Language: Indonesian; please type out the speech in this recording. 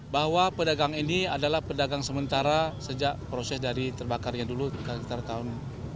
bahwa pedagang ini adalah pedagang sementara sejak proses dari terbakarnya dulu sekitar tahun seribu sembilan ratus sembilan puluh empat